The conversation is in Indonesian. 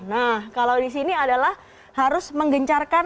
nah kalau di sini adalah harus menggencarkan tiga t